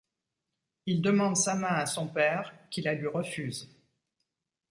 Il demande sa main à son père qui la lui refuse.